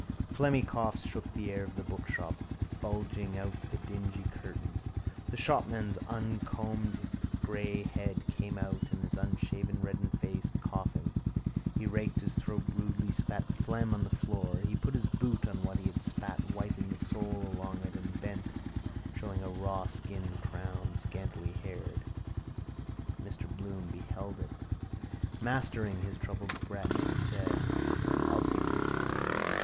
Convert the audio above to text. Phlegmy coughs shook the air of the bookshop, bulging out the dingy curtains. The shopman's uncombed grey head came out and his unshaven reddened face, coughing. He raked his throat rudely, puked phlegm on the floor. He put his boot on what he had spat, wiping his sole along it, and bent, showing a rawskinned crown, scantily haired. Mr Bloom beheld it. Mastering his troubled breath, he said: —I'll take this one.